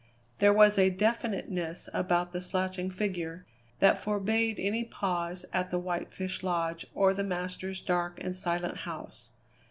There was a definiteness about the slouching figure that forbade any pause at the White Fish Lodge or the master's dark and silent house.